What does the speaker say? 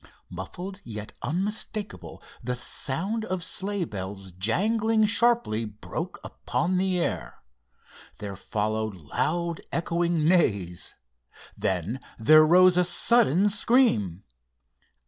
Muffled yet unmistakable, the sound of sleigh bells jangling sharply broke upon the air. There followed loud echoing neighs. Then there rose a sudden scream.